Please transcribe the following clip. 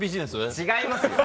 違いますよ！